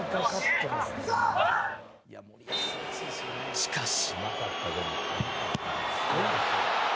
しかし。